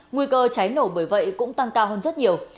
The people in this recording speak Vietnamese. nguy cơ cháy nổ bởi vậy cũng tăng cao hơn rất nhiều